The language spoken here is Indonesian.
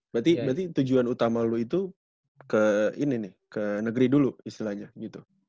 berarti tujuan utama lo itu ke ini nih ke negeri dulu istilahnya gitu